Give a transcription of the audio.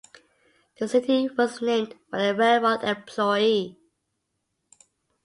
The city was named for a railroad employee.